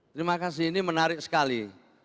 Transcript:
terima kasih ini menarik sekali